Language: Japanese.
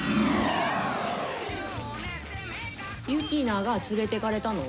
ユキナが連れてかれたの？